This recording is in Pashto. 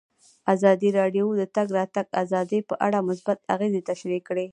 ازادي راډیو د د تګ راتګ ازادي په اړه مثبت اغېزې تشریح کړي.